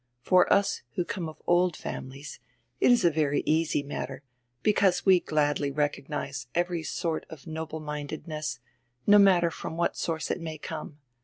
For us who come of old families it is a very easy matter, because we gladly recognize every sort of noble mindedness, no matter from what source it may come.